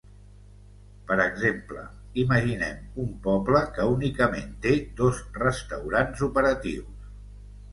Per exemple, imaginem un poble que únicament té dos restaurants operatius.